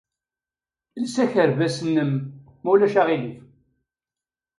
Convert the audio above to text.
Els akerbas-nnem, ma ulac aɣilif.